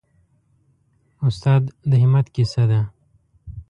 استاد د همت کیسه ده.